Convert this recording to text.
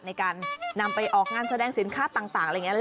ในการนำไปออกงานแสดงสินค้าต่างอะไรอย่างนี้